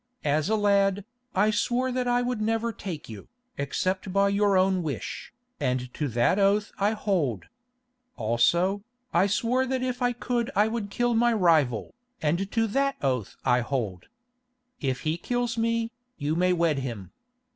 As a lad, I swore that I would never take you, except by your own wish, and to that oath I hold. Also, I swore that if I could I would kill my rival, and to that oath I hold. If he kills me, you may wed him.